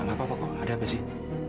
gak apa apa kok ada apa sih